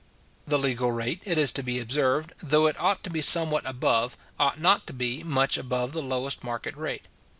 The legal rate, it is to be observed, though it ought to be somewhat above, ought not to be much above the lowest market rate.